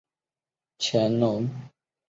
乾隆十六年二月降为四等侍卫。